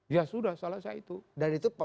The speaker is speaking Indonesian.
ya sudah selesai itu